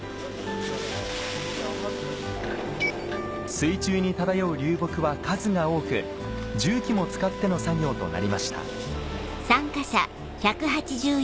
水中に漂う流木は数が多く重機も使っての作業となりました